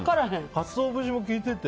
カツオ節も効いてて。